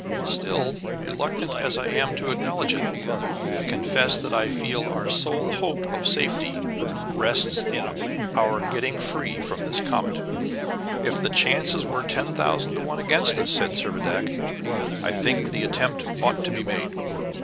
Still, reluctant as I am to acknowledge it, I confess that I feel our sole hope of safety rests in our getting free from this comet." "If the chances were ten thousand to one against us," said Servadac, "I think the attempt ought to be made."